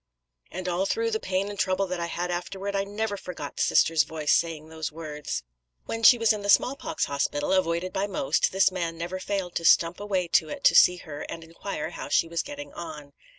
And all through the pain and trouble that I had afterward, I never forgot Sister's voice saying those words." When she was in the small pox hospital, avoided by most, this man never failed to stump away to it to see her and inquire how she was getting on.